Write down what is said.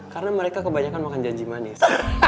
karena mereka kebanyakan makan janji manis